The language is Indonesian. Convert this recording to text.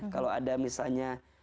kalau ada misalnya